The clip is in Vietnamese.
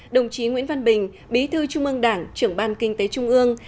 đồng chí nguyễn văn bình bí thư trung ương đảng trưởng ban kinh tế trung ương